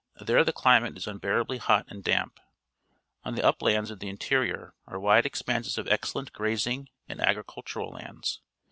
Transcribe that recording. There the climate is un bearabl}" hot and damp. On the uplands of the interior are vride expanses of excel lent grazing and agricultural lands.